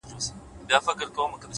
پرمختګ د وېرې تر پولې هاخوا وي،